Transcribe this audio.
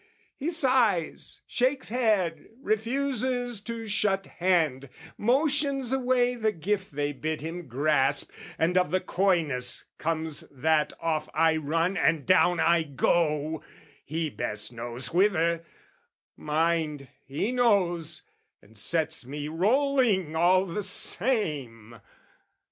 He sighs, shakes head, refuses to shut hand, Motions away the gift they bid him grasp, And of the coyness comes that off I run And down I go, he best knows whither, mind, He knows, and sets me rolling all the same!